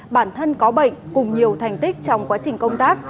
bản thân có bệnh cùng nhiều thành tích trong quá trình công tác